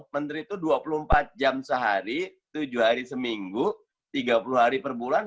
menteri itu dua puluh empat jam sehari tujuh hari seminggu tiga puluh hari per bulan